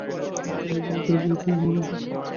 তুমি এক দিন মাত্র গিয়েছ আমার বাসায়।